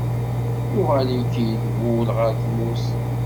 Yuɣal-ik-id wul ɣer tmurt.